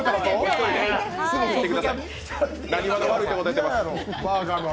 なにわの悪いところ出てます。